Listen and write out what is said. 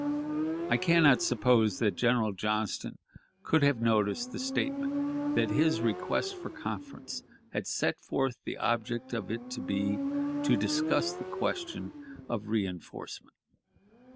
I can not suppose that General Johnston could have noticed the statement that his request for conference had set forth the object of it to be to discuss the question of reënforcement.